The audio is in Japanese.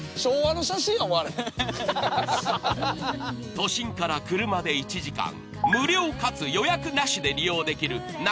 都心から車で１時間無料かつ予約なしで利用できるテントサウナ。